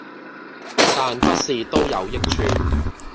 但不是都有益處